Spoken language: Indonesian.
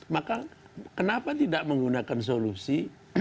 maka kenapa tidak menggunakan solusi